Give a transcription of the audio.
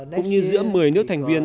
cũng như giữa một mươi nước thành viên